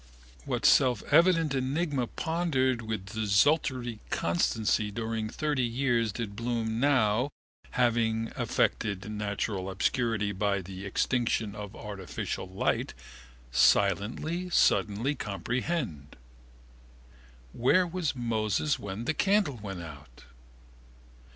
What selfevident enigma pondered with desultory constancy during 30 years did Bloom now, having effected natural obscurity by the extinction of artificial light, silently suddenly comprehend? Where was Moses when the candle went out?